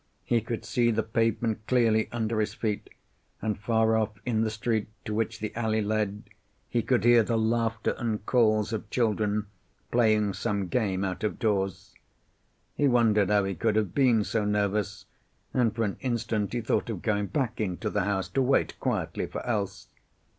He could see the pavement clearly under his feet, and far off in the street to which the alley led he could hear the laughter and calls of children, playing some game out of doors. He wondered how he could have been so nervous, and for an instant he thought of going back into the house to wait quietly for Else.